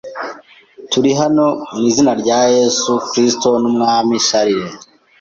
Turi hano mu izina rya Yesu Kristo n'Umwami Charles.